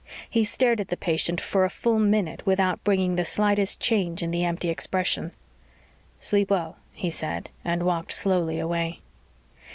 He stared at the patient for a full minute without bringing the slightest change in the empty expression. "Sleep well," he said, and walked slowly away.